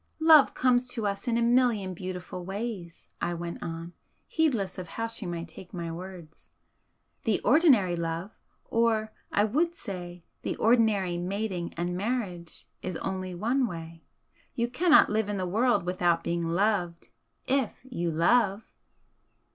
"Love comes to us in a million beautiful ways," I went on, heedless of how she might take my words "The ordinary love, or, I would say, the ordinary mating and marriage is only ONE way. You cannot live in the world without being loved if you love!"